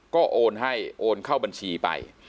ก็โอนให้โอนเข้าบัญชีไป